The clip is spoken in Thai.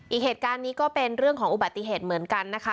อีกเหตุการณ์นี้ก็เป็นเรื่องของอุบัติเหตุเหมือนกันนะคะ